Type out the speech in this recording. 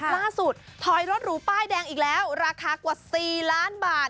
ถอยรถหรูป้ายแดงอีกแล้วราคากว่า๔ล้านบาท